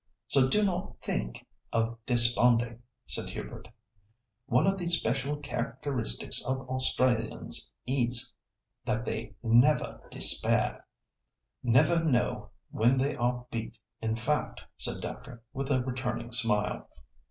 So do not think of desponding," said Hubert. "One of the special characteristics of Australians is, that they never despair." "Never know when they are beat, in fact," said Dacre, with a returning smile.